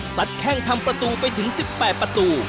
แข้งทำประตูไปถึง๑๘ประตู